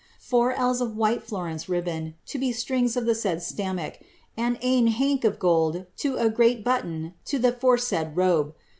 Four ells of white Florence ribbon, to be strings to the said slammack^ and ane hank of gold to a greit button to the foresaid robe.